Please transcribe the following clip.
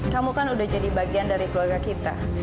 kamu kan udah jadi bagian dari keluarga kita